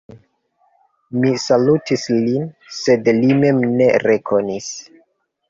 Mi salutis lin, sed li min ne rekonis.